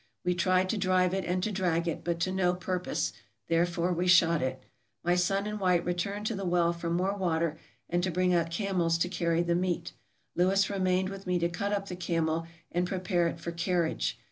We tried to drive it, and to drag it, but to no purpose, therefore we shot it. My son and White returned to the well for more water, and to bring out camels to carry the meat. Lewis remained with me to cut up the camel and prepare it for carriage.